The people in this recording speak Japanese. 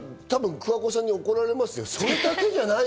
桑子さんに怒られますよ。